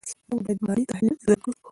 موږ باید مالي تحلیل زده کړو.